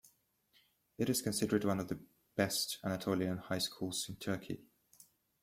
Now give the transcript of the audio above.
It is considered one of the best Anatolian High Schools in Turkey.